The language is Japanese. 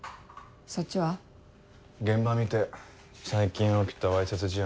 現場見て最近起きたわいせつ事案